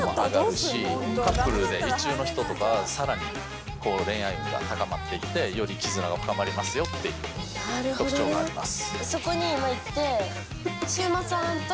カップルで意中の人とかさらに恋愛運が高まってきてより絆が深まりますよっていう特徴があります。